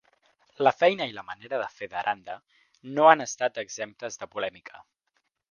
La feina i la manera de fer d'Aranda no han estat exemptes de polèmica.